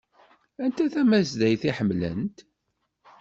Anta tamedyazt i ḥemmlent?